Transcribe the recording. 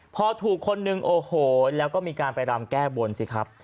พอถูกคนหนึ่งโอ้โหแล้วก็มีการไปรำแก้บนสิครับ